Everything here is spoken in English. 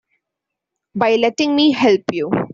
By letting me help you.